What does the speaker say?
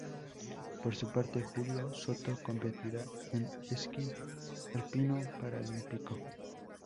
Por su parte, Julio Soto competirá en esquí alpino paralímpico.